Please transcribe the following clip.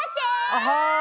あはい！